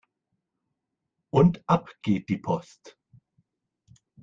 Und ab geht die Post